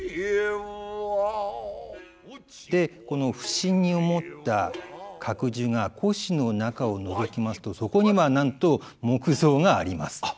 で不審に思った覚寿が輿の中をのぞきますとそこにはなんと木像があります。